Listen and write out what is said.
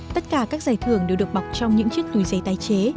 tất cả các giải thưởng đều được bọc trong những chiếc túi giấy tái chế